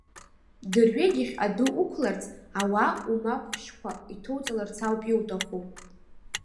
Дырҩегьых адәы уқәларц, ауаа умагәшьхәа иҭоуцаларц ауп иуҭаху.